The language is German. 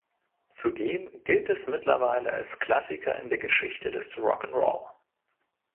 Zudem gilt es mittlerweile als Klassiker in der Geschichte des Rock ’n’ Roll.